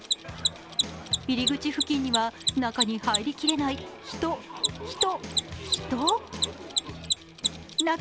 入り口付近には中に入りきれない人、人、人。